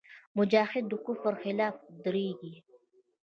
مجاهد د کفر خلاف درېږي.